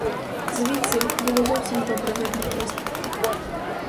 Звідси було зовсім добре видно приступку.